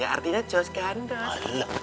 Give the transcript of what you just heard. artinya jodh kandas